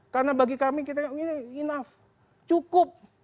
karena bagi kami ini cukup